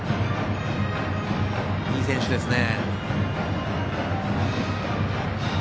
いい選手ですね。